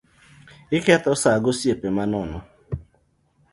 Iketho saa gi osiepe manono